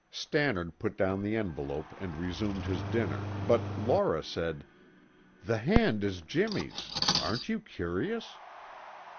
Stannard put down the envelope and resumed his dinner, but Laura said, "The hand is Jimmy's. Aren't you curious?"